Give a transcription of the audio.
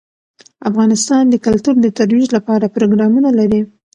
افغانستان د کلتور د ترویج لپاره پروګرامونه لري.